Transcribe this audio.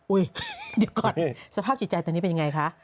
หยุดก่อนสภาพจิตใจตอนนี้เป็นยังไงคะ